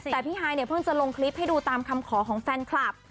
แต่พี่ฮายเนี่ยเพิ่งจะลงคลิปให้ดูตามคำขอของแฟนคลับ